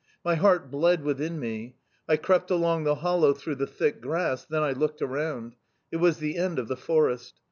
My heart bled within me. I crept along the hollow through the thick grass then I looked around: it was the end of the forest.